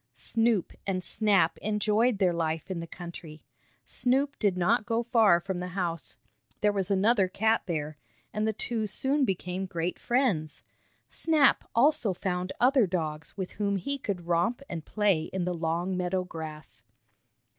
Snoop and Snap enjoyed their life in the country. Snoop did not go far from the house. There was another cat there, and the two soon became great friends. Snap also found other dogs with whom he could romp and play in the long meadow grass.